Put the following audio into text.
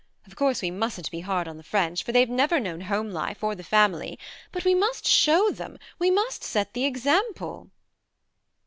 ... Of course we mustn't be hard on the French, for they've never known Home Life, or the Family ... but we must show them ... we must set the example.